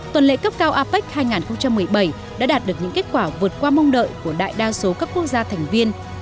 tuần lệ cấp cao apec hai nghìn một mươi bảy đã đạt được những kết quả vượt qua mong đợi của đại đa số các quốc gia thành viên